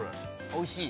おいしい？